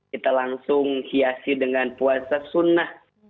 kita langsung hiasi dengan puasa sunnah